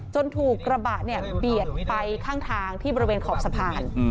ถูกกระบะเนี่ยเบียดไปข้างทางที่บริเวณขอบสะพาน